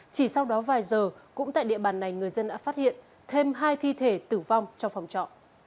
chỉ sau đó vài giờ cũng tại địa bàn này người dân đã phát hiện thêm hai thi thể tử vong trong phòng trọ